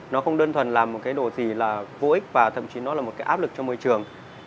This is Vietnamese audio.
nó không đơn thuần là một cái đồ gì là vô ích và thậm chí nó là một cái áp lực cho môi trường